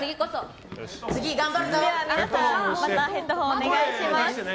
皆さんヘッドホンお願いします。